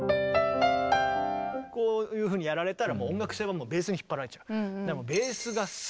こういうふうにやられたらもう音楽性はベースに引っ張られちゃう。